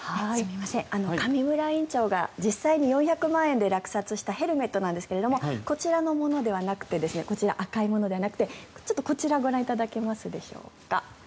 上村院長が実際に４００万円で落札したヘルメットですがこちらの赤いものではなくてちょっとこちらご覧いただけますでしょうか。